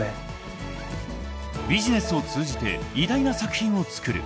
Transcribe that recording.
［「ビジネスを通じて“偉大な作品”を創る」］